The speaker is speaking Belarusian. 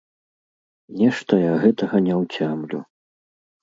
Нешта я гэтага не ўцямлю.